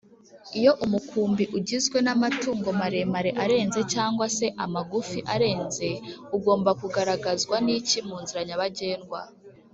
iyo umukumbi ugizwe n’amatungo maremare arenze cg se amagufi arenze ugomba kugaragazwa n’iki munzira nyabagendwa